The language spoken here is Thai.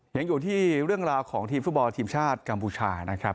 ยังอยู่ที่เรื่องราวของทีมฟุตบอลทีมชาติกัมพูชานะครับ